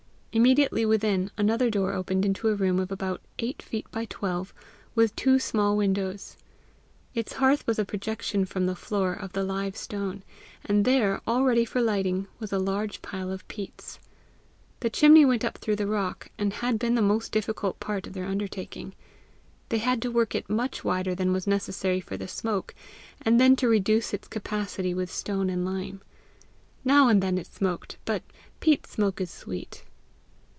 Immediately within, another door opened into a room of about eight feet by twelve, with two small windows. Its hearth was a projection from the floor of the live stone; and there, all ready for lighting, was a large pile of peats. The chimney went up through the rock, and had been the most difficult part of their undertaking. They had to work it much wider than was necessary for the smoke, and then to reduce its capacity with stone and lime. Now and then it smoked, but peat smoke is sweet.